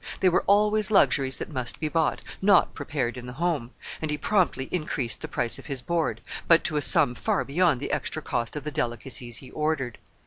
They were always luxuries that must be bought, not prepared in the home; and he promptly increased the price of his board—but to a sum far beyond the extra cost of the delicacies he ordered.